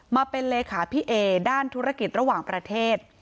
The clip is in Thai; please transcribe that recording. มาเป็นเลขาพี่เอด้านธุรกิจระหว่างประเทศ